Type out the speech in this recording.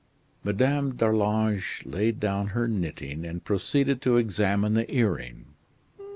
Madame d'Arlange laid down her knitting and proceeded to examine the earring.